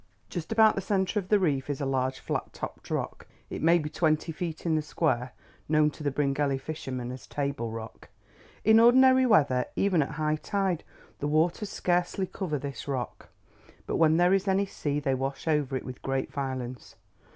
Just about the centre of the reef is a large flat topped rock—it may be twenty feet in the square—known to the Bryngelly fishermen as Table Rock. In ordinary weather, even at high tide, the waters scarcely cover this rock, but when there is any sea they wash over it with great violence.